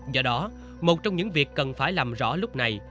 do đó một trong những việc cần phải làm rõ lúc này